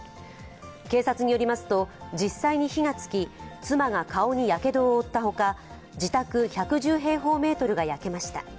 警察によりますと実際に火がつき、妻が顔にやけどを負ったほか、自宅１１０平方メートルが焼けました。